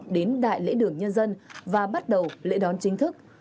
đến đại lễ đường nhân dân và bắt đầu lễ đón chính thức